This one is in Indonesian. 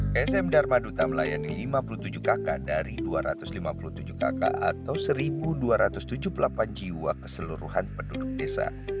ksm dharma duta melayani lima puluh tujuh kakak dari dua ratus lima puluh tujuh kakak atau satu dua ratus tujuh puluh delapan jiwa keseluruhan penduduk desa